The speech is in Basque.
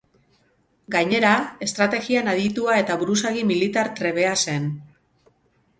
Gainera, estrategian aditua eta buruzagi militar trebea zen.